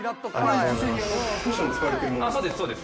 あそうです